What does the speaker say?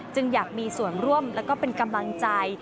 อยากมีส่วนร่วมแล้วก็เป็นกำลังใจ